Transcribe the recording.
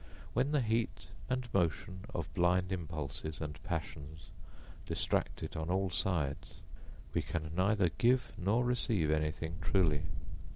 When the heat and motion of blind impulses and passions distract it on all sides, we can neither give nor receive anything truly.